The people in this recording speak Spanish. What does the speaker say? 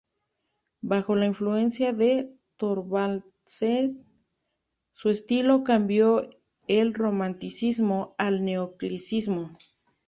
Bajo la influencia de Thorvaldsen, su estilo cambió el romanticismo al neoclasicismo.